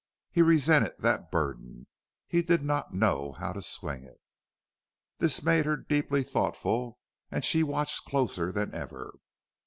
He resented that burden. He did not know how to swing it. This made her deeply thoughtful and she watched closer than ever.